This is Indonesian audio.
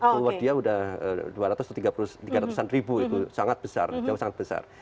follower dia udah dua ratus tiga ratus an ribu itu sangat besar